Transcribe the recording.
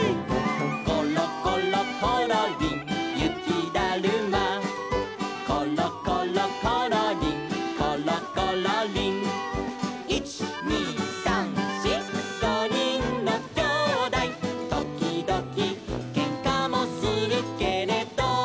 「ころころころりんゆきだるま」「ころころころりんころころりん」「いちにさんしごにんのきょうだい」「ときどきけんかもするけれど」